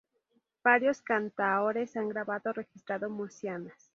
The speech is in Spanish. Varios cantaores han grabado o registrado murcianas.